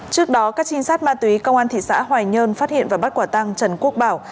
trước đó các trinh sát ma túy công an thị xã hoài nhơn phát hiện và bắt quả tăng trần quốc bảo